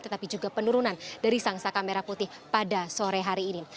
tetapi juga penurunan dari sangsa kamera putih pada sore hari ini